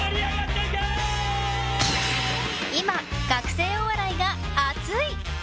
今、学生お笑いが熱い！